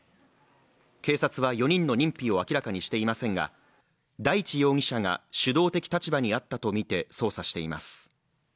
警察は４人の認否を明らかにしていませんが、大地容疑者が主導的立場にあったとみて捜査しています。